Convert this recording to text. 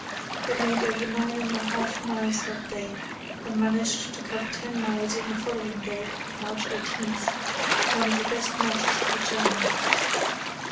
They made over nine and a half miles that day, and managed to cover ten miles on the following day, March 18, one of the best marches of the journey.